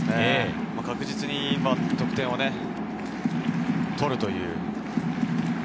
確実に得点をね、取るという。